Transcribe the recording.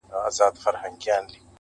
هغه زما زړه ته د کلو راهيسې لار کړې ده_